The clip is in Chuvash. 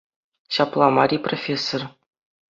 Ҫапла мар-и, профессор?